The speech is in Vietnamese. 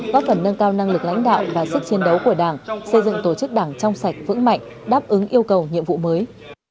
góp phần nâng cao năng lực lãnh đạo và sức chiến đấu của đảng xây dựng tổ chức đảng trong sạch vững mạnh đáp ứng yêu cầu nhiệm vụ mới